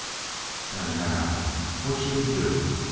And now, what should he do?